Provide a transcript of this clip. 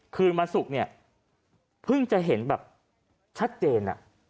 คืนวันศุกร์เนี่ยเพิ่งจะเห็นแบบชัดเจน